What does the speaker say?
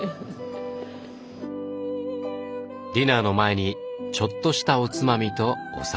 ディナーの前にちょっとしたおつまみとお酒。